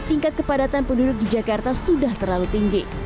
tingkat kepadatan penduduk di jakarta sudah terlalu tinggi